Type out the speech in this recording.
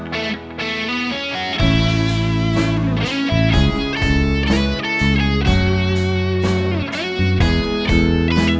เสียงเพลง